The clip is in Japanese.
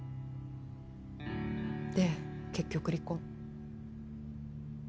で結局離婚。